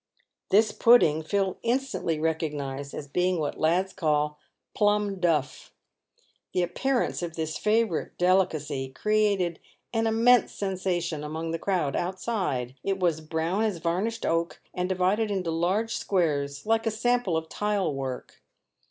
This pudding Phil instantly recognised as being what lads call " plum duff." The ap pearance of this favourite delicacy created an immense sensation among the crowd outside. It was brown as varnished oak, and divided into large squares like a sample of tile work.